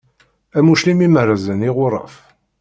Am uclim i merzen yiɣuraf.